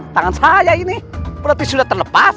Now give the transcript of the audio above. tangan saya ini berarti sudah terlepas